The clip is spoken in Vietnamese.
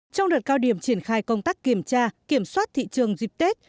trong đợt cao điểm triển khai công tác kiểm tra kiểm soát thị trường dịp tết